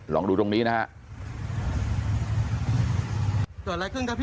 ลองดูตรงนี้นะครับ